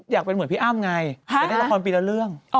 อยากเป็นเหมือนพี่อ้ำไงแต่เล่นละครปีละเรื่อง